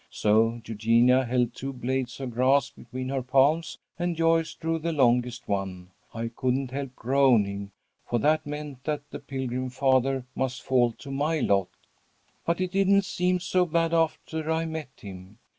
So Eugenia held two blades of grass between her palms, and Joyce drew the longest one. I couldn't help groaning, for that meant that the Pilgrim Father must fall to my lot. "But it didn't seem so bad after I met him.